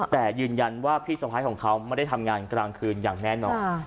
แต่ยืนยันว่าพี่สะพ้ายของเขาไม่ได้ทำงานกลางคืนอย่างแน่นอน